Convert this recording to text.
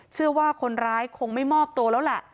เชื่อว่าคนร้ายคงไม่มอบตัวแล้วแหละ